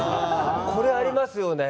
これありますよね。